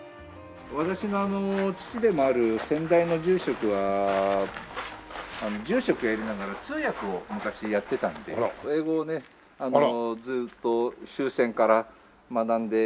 私の父でもある先代の住職は住職やりながら通訳を昔やってたんで英語をねずっと終戦から学んで。